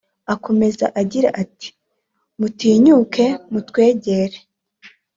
Akomeza agira ati “Mutinyuke mutwegere